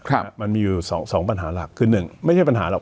ครับมันมีอยู่สองสองปัญหาหลักคือหนึ่งไม่ใช่ปัญหาหรอก